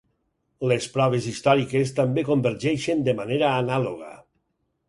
Les proves històriques també convergeixen de manera anàloga.